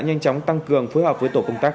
nhanh chóng tăng cường phối hợp với tổ công tác